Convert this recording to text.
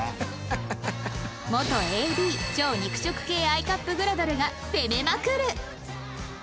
元 ＡＤ 超肉食系 Ｉ カップグラドルが攻めまくる